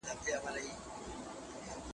د شعر هنري اړخ په لوستونکي ژوره اغېزه کوي.